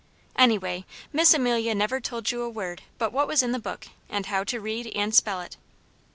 Anyway, Miss Amelia never told you a word but what was in the book, and how to read and spell it.